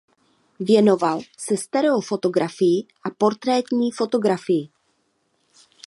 Věnoval se stereo fotografii a portrétní fotografii.